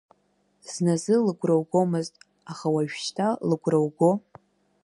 Зназы лыгәра угомызт, аха уажәшьҭа лыгәра уго?